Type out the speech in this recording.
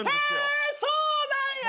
へぇそうなんや！